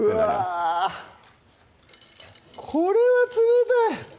うわこれは冷たい！